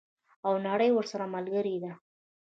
او نړۍ ورسره ملګرې ده.